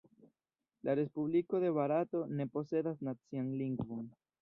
La Respubliko de Barato ne posedas nacian lingvon.